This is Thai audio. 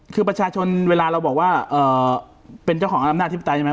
คือประชาชนเวลาเราบอกว่าเอ่อเป็นเจ้าของอำหน้าที่ปฏิใช่ไหม